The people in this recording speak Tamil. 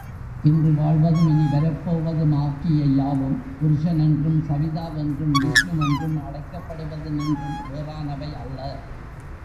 இன்று வாழ்வதும் இனி வரப்போவதும் ஆகிய யாவும் புருஷனென்றும் சவிதா வென்றும் விஷ்ணு வென்றும் அழைக்கப்படுவதினின்றும் வேறானவை அல்ல.